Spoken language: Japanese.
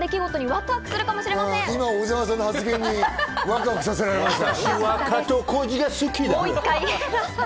今、小澤さんの発言にワクワクさせられました。